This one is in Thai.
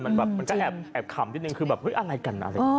มันแบบมันก็แอบแอบขำนิดนึงคือแบบอุ๊ยอะไรกัน